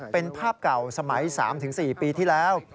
เป็นภาพเก่าสมัย๓๔ปีที่แล้ว